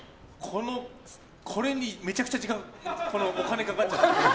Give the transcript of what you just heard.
これにめちゃくちゃ時間お金かかっちゃって。